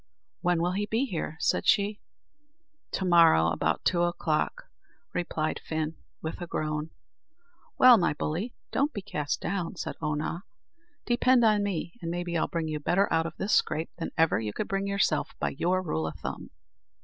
"When will he be here?" said she. "To morrow, about two o'clock," replied Fin, with a groan. "Well, my bully, don't be cast down," said Oonagh; "depend on me, and maybe I'll bring you better out of this scrape than ever you could bring yourself, by your rule o' thumb."